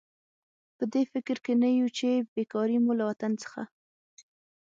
په دې فکر کې نه یو چې بېکاري مو له وطن څخه.